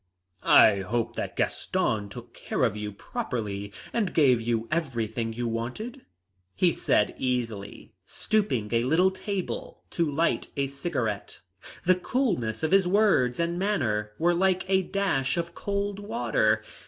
"I hope that Gaston took care of you properly and gave you everything that you wanted?" he said easily, stooping to a little table to light a cigarette. The coolness of his words and manner were like a dash of cold water.